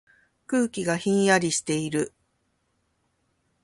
空気がひんやりしている。